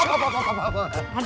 ada apa peh